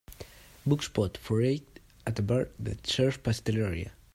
book spot for eight at a bar that serves pastelaria